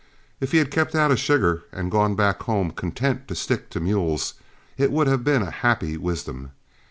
If he had kept out of sugar and gone back home content to stick to mules it would have been a happy wisdom.